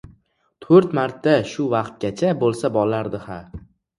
To‘rt marta! Shu vaqtgacha bo‘lsa bo‘lardi-da!